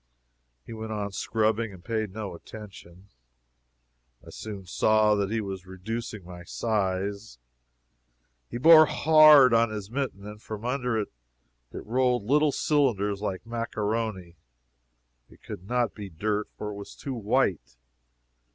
He went on scrubbing, and paid no attention. I soon saw that he was reducing my size. He bore hard on his mitten, and from under it rolled little cylinders, like maccaroni. It could not be dirt, for it was too white.